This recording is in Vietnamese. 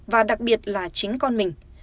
và đặc biệt là chính con mình